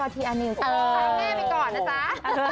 ตามแม่ไปก่อนนะจ๊ะ